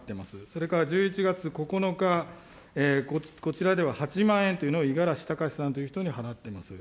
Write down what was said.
それから１１月９日、こちらでは８万円というのを五十嵐隆さんという人に払っています。